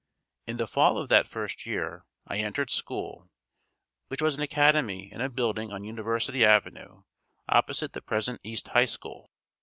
In the fall of that first year, I entered school, which was an academy in a building on University Avenue opposite the present East High School.